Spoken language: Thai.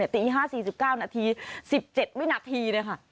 ตี๕๔๙นาที๑๗วินาที